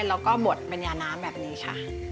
แล้วก็บดปัญญาน้ำแบบนี้ค่ะ